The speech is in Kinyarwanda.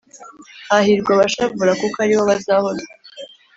“hahirwa abashavura, kuko ari bo bazahozwa